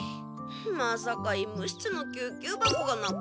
まさか医務室の救急箱がなくなるなんて。